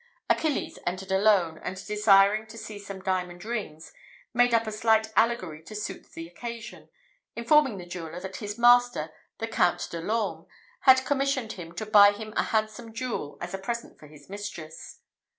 Achilles entered alone, and desiring to see some diamond rings, made up a slight allegory to suit the occasion, informing the jeweller that his master, the Count de l'Orme, had commissioned him to buy him a handsome jewel, as a present for his mistress.